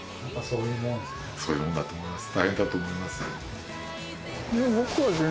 そういうもんだと思います。